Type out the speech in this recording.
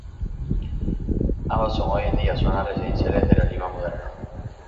Ambas son hoy en día zonas residenciales de la Lima moderna.